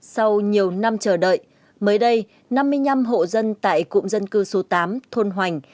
sau nhiều năm chờ đợi mới đây năm mươi năm hộ dân tại cụm dân cư số tám thôn hoành